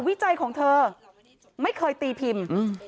วิจัยของเธอไม่เคยตีพิมพ์